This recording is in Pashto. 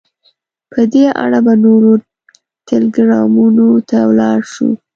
په دې اړه به نورو ټلګرامونو ته ولاړ شو.